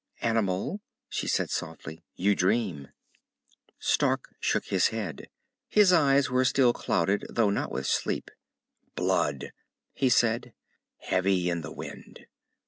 "Animal," she said softly. "You dream." Stark shook his head. His eyes were still clouded, though not with sleep. "Blood," he said, "heavy in the wind."